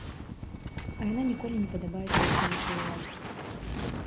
А яна ніколі не падабаецца існуючай уладзе.